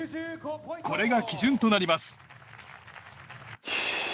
これが基準となります。